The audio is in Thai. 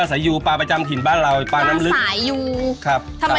ลูกค้าเยอะตอนไหนพ่อ